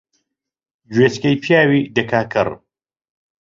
گوێچکەی پیاوی دەکا کەڕ